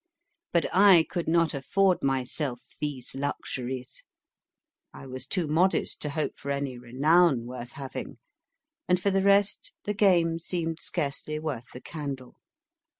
But I could not afford myself these luxuries. I was too modest to hope for any renown worth having, and for the rest the game seemed scarcely worth the candle.